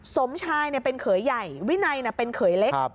สมชายเป็นเขยใหญ่วินัยเป็นเขยเล็ก